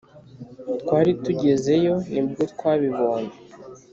twari tujyezeyo nibwo twabibonye